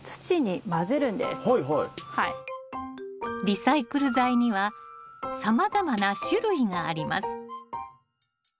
リサイクル材にはさまざまな種類があります。